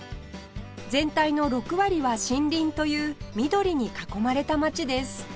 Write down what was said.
全体の６割は森林という緑に囲まれた街です